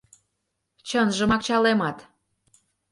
Чынжымак чалемат...